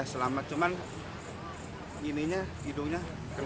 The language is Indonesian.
ya selamat cuman hidungnya kena